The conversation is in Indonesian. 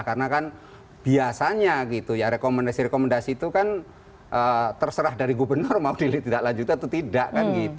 karena kan biasanya gitu ya rekomendasi rekomendasi itu kan terserah dari gubernur mau dilitih tidak lanjut atau tidak kan gitu